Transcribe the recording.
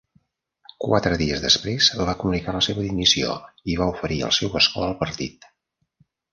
Quatre dies després va comunicar la seva dimissió i va oferir el seu escó al partit.